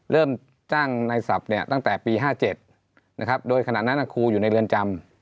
เริ่มจ้างนายศัพท์เนี้ยตั้งแต่ปีห้าเจ็ดนะครับโดยขนาดนั้นน่ะครูอยู่ในเรือนจำ